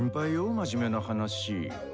真面目な話。